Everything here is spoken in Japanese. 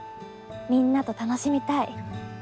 みんなと楽しみたい。